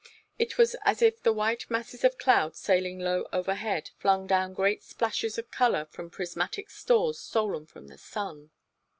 It was as if the white masses of cloud sailing low overhead flung down great splashes of color from prismatic stores stolen from the sun.